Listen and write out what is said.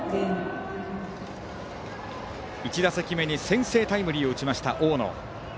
１打席目に先制タイムリーを打ちました大野。